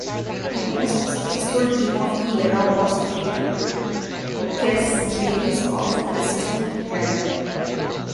The most successful team of the era was Dick, Kerr's Ladies of Preston, England.